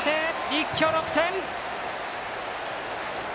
一挙６点！